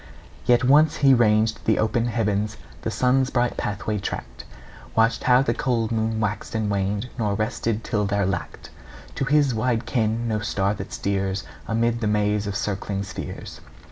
Yet once he ranged the open heavens, The sun's bright pathway tracked; Watched how the cold moon waxed and waned; Nor rested, till there lacked To his wide ken no star that steers Amid the maze of circling spheres.